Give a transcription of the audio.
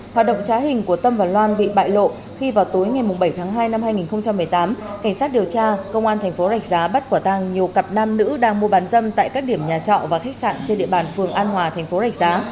hoạt động trá hình của tâm và loan bị bại lộ khi vào tối ngày bảy tháng hai năm hai nghìn một mươi tám cảnh sát điều tra công an thành phố rạch giá bắt quả tăng nhiều cặp nam nữ đang mua bán dâm tại các điểm nhà trọ và khách sạn trên địa bàn phường an hòa thành phố rạch giá